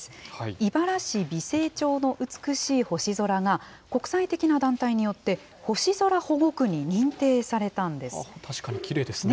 井原市美星町の美しい星空が、国際的な団体によって、星空保護区確かにきれいですね。